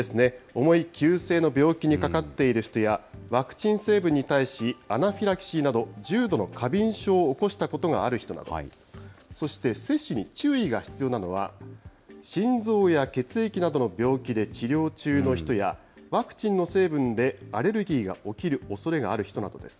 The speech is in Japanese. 重い急性の病気にかかっている人やワクチン成分に対し、アナフィラキシーなど、重度の過敏症を起こしたことがある人など、そして接種に注意が必要なのは、心臓や血液などの病気で治療中の人や、ワクチンの成分でアレルギーが起きるおそれがある人などです。